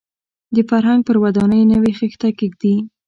د فرهنګ پر ودانۍ نوې خښته کېږدي.